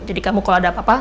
jadi kamu kalau ada apa apa